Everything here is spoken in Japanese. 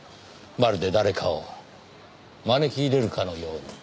まるで誰かを招き入れるかのように。